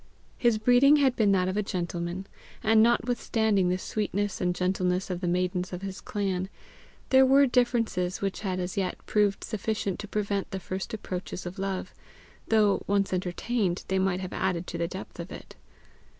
His breeding had been that of a gentleman, and notwithstanding the sweetness and gentleness of the maidens of his clan, there were differences which had as yet proved sufficient to prevent the first approaches of love, though, once entertained, they might have added to the depth of it.